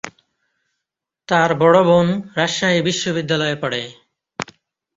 তার বড় বোন রাজশাহী বিশ্বনিদ্যালয়ে পড়ে।